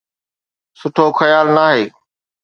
سٺو خيال ناهي.